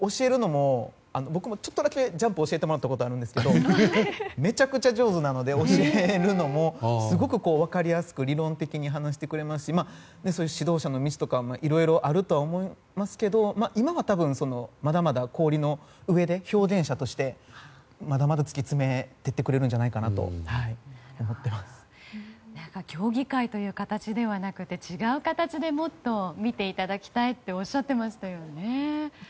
僕もちょっとだけジャンプを教えてもらったことがあるんですがめちゃくちゃ教えるのも上手で理論的に話してくれますし指導者の道とかいろいろあると思いますけど今は多分、まだまだ氷の上で表現者としてまだまだ突き詰めていってくれるんじゃないかなと競技会という形ではなくて違う形でもっと見ていただきたいとおっしゃっていましたよね。